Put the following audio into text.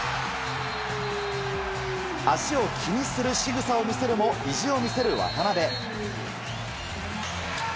足を気にするしぐさを見せるも、意地を見せる渡邊。